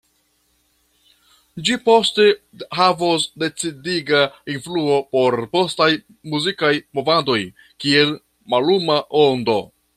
Ĝi poste havos decidiga influo por postaj muzikaj movadoj kiel malluma ondo.